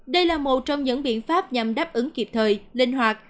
đây là một trong những biện pháp nhằm đáp ứng kịp thời linh hoạt